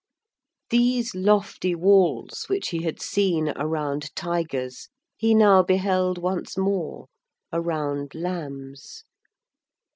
These lofty walls which he had seen around tigers, he now beheld once more around lambs.